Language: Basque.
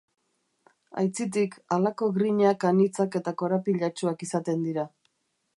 Aitzitik, halako grinak anitzak eta korapilatsuak izaten dira.